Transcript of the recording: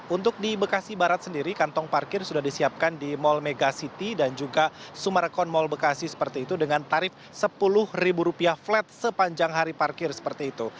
untuk di bekasi barat sendiri kantong parkir sudah disiapkan di mall mega city dan juga sumarkon mall bekasi seperti itu dengan tarif rp sepuluh flat sepanjang hari parkir seperti itu